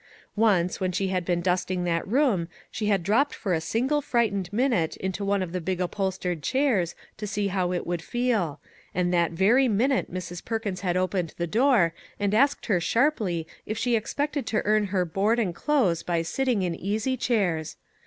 Once, when she had been dusting that room, she had dropped for a single frightened minute into one of the big upholstered chairs, to see how it would feel ; and that very minute Mrs. Perkins had opened the door and asked her sharply if she expected to earn her board and clothes by sitting in easy chairs.